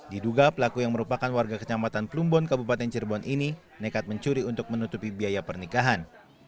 diduga pelaku yang merupakan warga kecamatan plumbon kabupaten cirebon ini nekat mencuri untuk menutupi biaya pernikahan